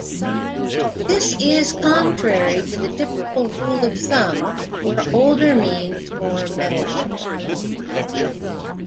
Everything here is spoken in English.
This is contrary to the typical rule-of-thumb where older means more metal-poor.